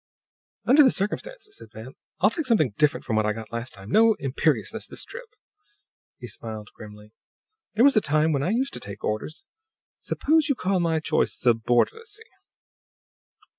"Under the circumstances," said Van, "I'll take something different from what I got last time. No imperiousness this trip." He smiled grimly. "There was a time when I used to take orders. Suppose you call my choice 'subordinacy.'"